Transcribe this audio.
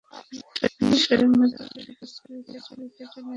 বিশেষ করে নতুন শতাব্দীর টেস্ট ক্রিকেটে নেতৃত্বে প্রায় বিপ্লব গড়েছেন ক্লার্ক।